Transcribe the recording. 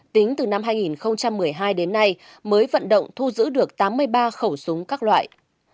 tính từ năm hai nghìn một mươi hai đến nay mới vận động thu giữ được tám mươi ba khẩu súng các loại